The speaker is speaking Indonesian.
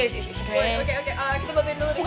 oke oke kita bantuin dulu deh